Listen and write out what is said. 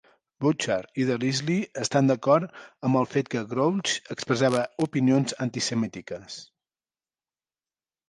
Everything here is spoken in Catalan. Bouchard i Delisle estan d'acord amb el fet que Groulx expressava opinions antisemítiques.